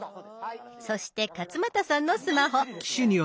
そして勝俣さんのスマホ。